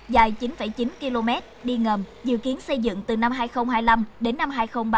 dài chín chín km đi ngầm dự kiến xây dựng từ năm hai nghìn hai mươi năm đến năm hai nghìn ba mươi